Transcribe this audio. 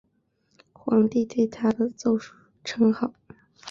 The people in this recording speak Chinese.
皇帝对他的奏疏称好。